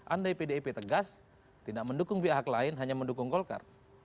andai pdip tegas tidak mendukung pihak lain hanya mendukung golkar